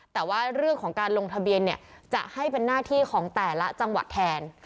แต่ว่าเรื่องของการลงทะเบียนเนี่ยจะให้เป็นหน้าที่ของแต่ละจังหวัดแทน